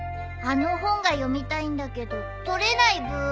あの本が読みたいんだけど取れないブー。